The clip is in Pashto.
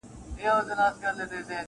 بيزو ناسته وه خاوند ته يې كتله-